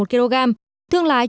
thương lái trung quốc